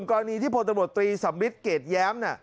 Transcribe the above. อ่าแล้วส่วนกรณีที่พลตรวจตรีสัมมิตรเกรดแย้มน่ะ